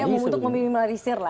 ya untuk memimmarisir lah